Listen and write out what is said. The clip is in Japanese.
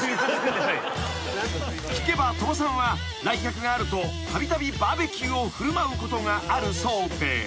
［聞けば鳥羽さんは来客があるとたびたびバーベキューを振る舞うことがあるそうで］